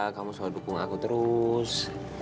kamu selalu dukung aku terus